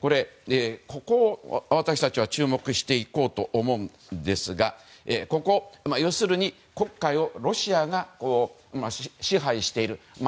ここを私たちは注目していこうと思うんですが要するに黒海をロシアが支配している。